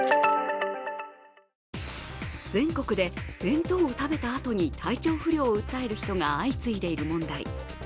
全国で弁当を食べたあとに体調不良を訴える人が相次いでいる問題。